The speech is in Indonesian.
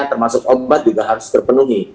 termasuk obat juga harus terpenuhi